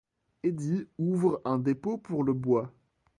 Eddy ouvre un dépôt pour le bois.